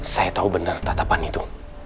saya tahu benar tatapan itu